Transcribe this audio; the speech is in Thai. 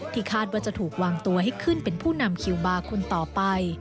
คาดว่าจะถูกวางตัวให้ขึ้นเป็นผู้นำคิวบาร์คนต่อไป